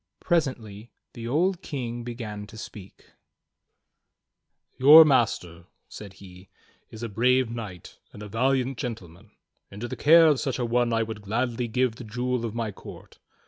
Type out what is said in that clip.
Presently the old King began to speak: "\our master," said he, "is a brave knight and a valiant gentle man. Into the care of such a one would I gladly give the Jewel of my court.